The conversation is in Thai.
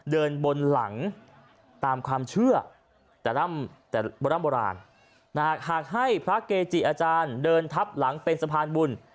เดินบนหลังตามความเชื่อแต่โบราณโบราณหากให้พระเกจิอาจารย์เดินทับหลังเป็นสะพานบุญ